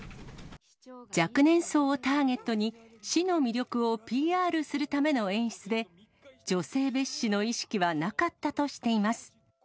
若年層をターゲットに、市の魅力をＰＲするための演出で、女性蔑視の意識はなかったとしています。